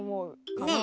ねえ？